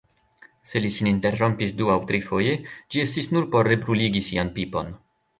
Se li sin interrompis du aŭ trifoje, ĝi estis nur por rebruligi sian pipon.